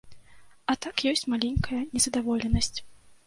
А так ёсць маленькае незадаволенасць.